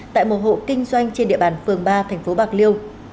tại một hộ kinh doanh trên địa bàn phường ba tp bạc liêu